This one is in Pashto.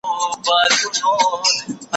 هندو ستړی، خداى ناراضه.